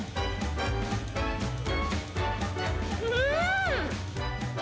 うん！